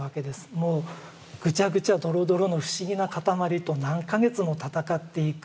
もうぐちゃぐちゃどろどろの不思議な塊と何か月も闘っていく。